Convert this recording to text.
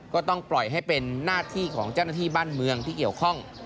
ก็ต้องปล่อยให้เป็นหน้าที่ของเจ้าหน้าที่บ้านเมืองที่เกี่ยวข้อง